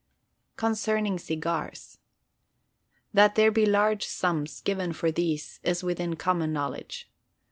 Concerning Cigars: That there be large sums given for these is within common knowledge.